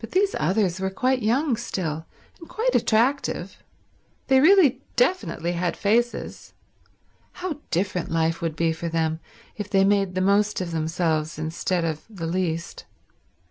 But these others were quite young still, and quite attractive. They really definitely had faces. How different life would be for them if they made the most of themselves instead of the least.